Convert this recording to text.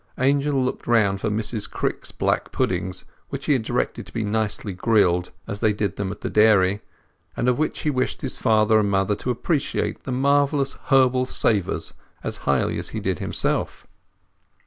Angel looked round for Mrs Crick's black puddings, which he had directed to be nicely grilled as they did them at the dairy, and of which he wished his father and mother to appreciate the marvellous herbal savours as highly as he did himself.